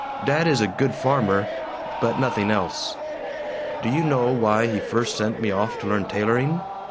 Dad is a good farmer, but nothing else. Do you know why he first sent me off to learn tailoring?